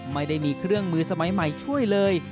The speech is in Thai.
ไม่ได้มีเครื่องมือสมัยใหม่ช่วยเลย